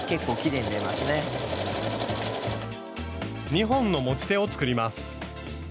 ２本の持ち手を作ります。